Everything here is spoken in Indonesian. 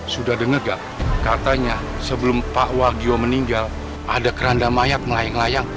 sudah dengar gak katanya sebelum pak wagyo meninggal ada keranda mayat melayang layang